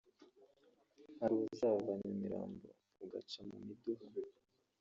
hari uzava Nyamirambo ugaca mu Miduha